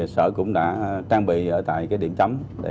sở cũng đã trang bị ở tại điểm chấm